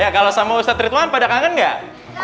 ya kalau sama ustaz rituan pada kangen gak